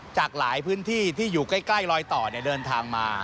จากหลายพื้นที่ที่อยู่ใกล้ลอยต่อเดินทางมา